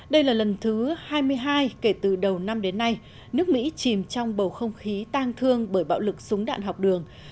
đây là lần thứ hai mươi hai kể từ đầu năm đến nay nước mỹ chìm trong bầu không khí tang thương bởi bạo lực súng đạn học đường